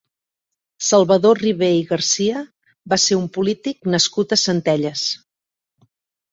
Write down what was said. Salvador Ribé i Garcia va ser un polític nascut a Centelles.